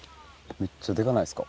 めっちゃデカないですか。